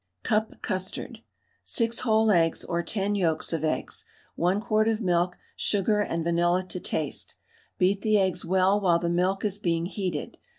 CUP CUSTARD. 6 whole eggs or 10 yolks of eggs, 1 quart of milk, sugar and vanilla to taste. Beat the eggs well while the milk is being heated.